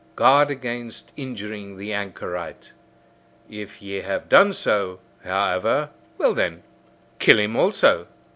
Guard against injuring the anchorite! If ye have done so, however, well then, kill him also!